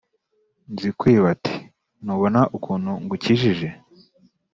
Nzikwiba ati: "Ntubonye ukuntu ngukijije?"